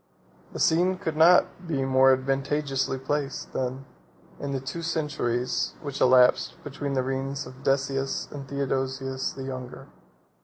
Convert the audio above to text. The scene could not be more advantageously placed, than in the two centuries which elapsed between the reigns of Decius and of Theodosius the Younger.